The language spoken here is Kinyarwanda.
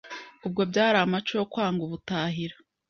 Ubwo byari amaco yo kwanga ubutahira.